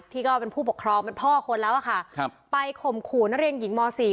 ที่ก็เป็นผู้ปกครองเป็นพ่อคนแล้วอ่ะค่ะครับไปข่มขู่นักเรียนหญิงมอสี่